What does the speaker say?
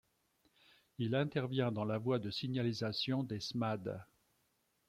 Il intervient dans la voie de signalisation des Smad.